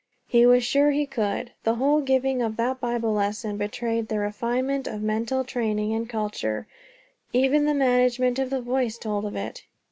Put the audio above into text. He was sure he could. The whole giving of that Bible lesson betrayed the refinement of mental training and culture; even the management of the voice told of it.